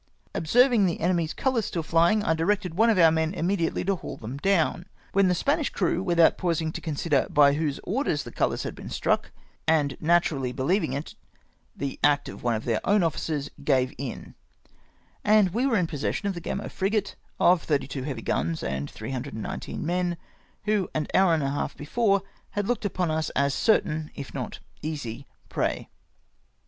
Observing the enemy's colours still flying, I directed one of our men immediately to haul them down, when the Spanish crew, without pausing to consider by whose orders the colom s had been struck, and naturally believing it the act of their own officers, gave in, and we were in possession of the Gamo frigate, of thirty two heavy guns and 319 men, who an hour and a half before had looked upon us as a certain if not an easy prey.